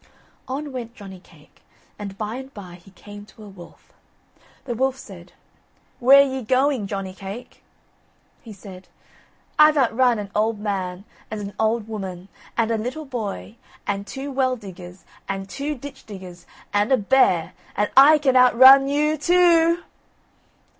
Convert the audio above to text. On went Johnny cake, and by and by he came to a wolf. The wolf said: "Where ye going, Johnny cake?" He said: "I've outrun an old man, and an old woman, and a little boy, and two well diggers, and two ditch diggers and a bear, and I can outrun you too o o!"